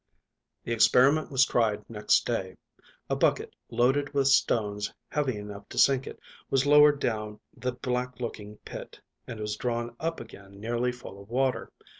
The experiment was tried next day. A bucket, loaded with stones heavy enough to sink it, was lowered down the black looking pit, and was drawn up again nearly full of water.